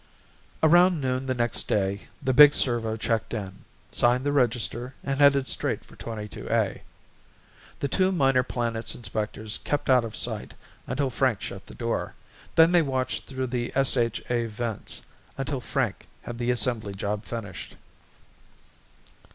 Around noon the next day the big servo checked in, signed the register and headed straight for 22A. The two Minor Planets inspectors kept out of sight until Frank shut the door, then they watched through the SHA vents until Frank had the assembly job finished.